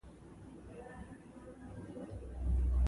اورم نارې د غم چې کړینه فریاد.